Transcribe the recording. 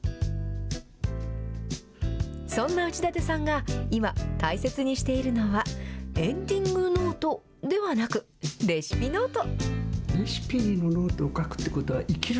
そんな内館さんが今、大切にしているのは、エンディングノートではなく、レシピノート。